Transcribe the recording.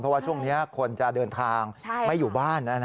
เพราะว่าช่วงนี้คนจะเดินทางไม่อยู่บ้าน